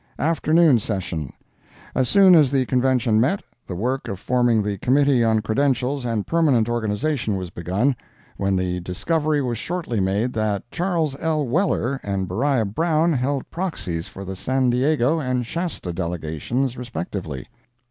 Afternoon Session.—As soon as the Convention met, the work of forming the Committees on Credentials and Permanent Organization was begun, when the discovery was shortly made that Chas. L. Weller and Beriah Brown held proxies for the San Diego and Shasta delegations respectively.